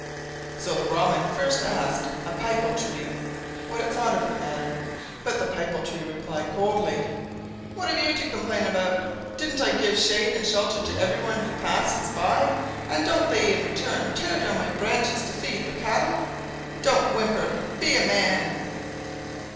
So the Brahman first asked a Pipal Tree what it thought of the matter, but the Pipal Tree replied coldly, "What have you to complain about? Don't I give shade and shelter to everyone who passes by, and don't they in return tear down my branches to feed their cattle? Don't whimper—be a man!"